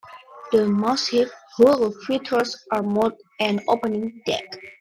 The massive hull features armored and opening deck.